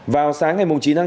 vào sáng ngày chín tháng năm